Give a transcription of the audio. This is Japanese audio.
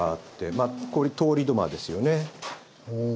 まあこれ通り土間ですよね。